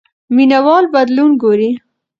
مینه وال بدلون ګوري.